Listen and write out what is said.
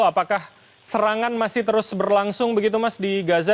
apakah serangan masih terus berlangsung begitu mas di gaza